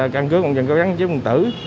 căn cứ công dân có gắn chít bằng tử